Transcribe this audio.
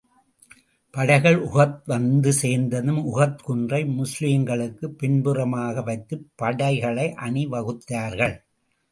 படைகள் உஹத் வந்து சேர்ந்ததும், உஹத் குன்றை, முஸ்லிம்களுக்குப் பின்புறமாக வைத்துப் படைகளை அணி வகுத்தார்கள்.